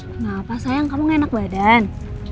kenapa sayang kamu enak badan